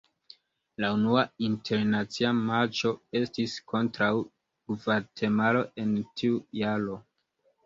La unua internacia matĉo estis kontraŭ Gvatemalo en tiu jaro.